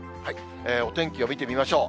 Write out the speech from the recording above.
お天気を見てみましょう。